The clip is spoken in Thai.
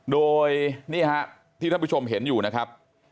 โดยนี่ฮะที่ท่านผู้ชมเห็นอยู่นะครับ